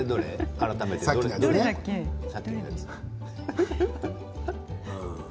改めてさっき見たやつ。